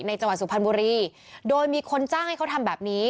จังหวัดสุพรรณบุรีโดยมีคนจ้างให้เขาทำแบบนี้